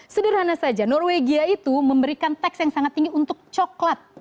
sederhana saja norwegia itu memberikan teks yang sangat tinggi untuk coklat